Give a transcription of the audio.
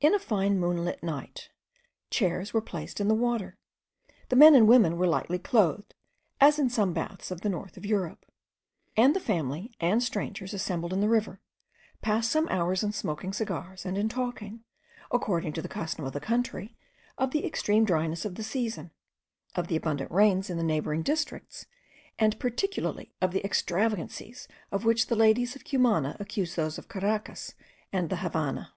In a fine moonlight night, chairs were placed in the water; the men and women were lightly clothed, as in some baths of the north of Europe; and the family and strangers, assembled in the river, passed some hours in smoking cigars, and in talking, according to the custom of the country, of the extreme dryness of the season, of the abundant rains in the neighbouring districts, and particularly of the extravagancies of which the ladies of Cumana accuse those of Caracas and the Havannah.